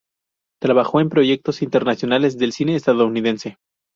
Trabajó en proyectos internacionales del cine estadounidense.